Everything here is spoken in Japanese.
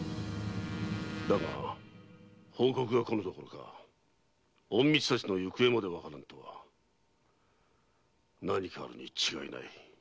だが報告が来ぬどころか隠密たちの行方までわからぬとは何かあるに違いない。